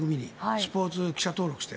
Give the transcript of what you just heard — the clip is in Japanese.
スポーツ記者として。